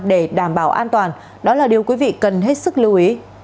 để đảm bảo an toàn đó là điều quý vị cần hết sức lưu ý